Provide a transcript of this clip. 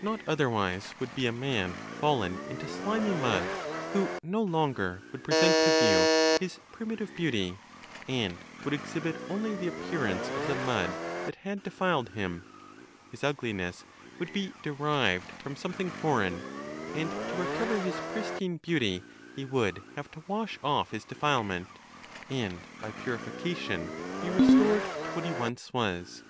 Not otherwise would be a man fallen into slimy mud, who no longer would present to view his primitive beauty, and would exhibit only the appearance of the mud that had defiled him; his ugliness would be derived from something foreign; and to recover his pristine beauty he would have to wash off his defilement, and by purification be restored to what he once was.